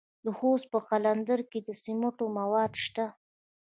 د خوست په قلندر کې د سمنټو مواد شته.